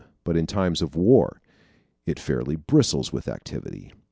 But in times of war it fairly bristles with activity.